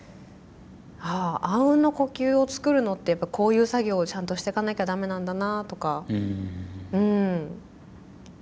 あああうんの呼吸を作るのってやっぱこういう作業をちゃんとしてかなきゃ駄目なんだなとか。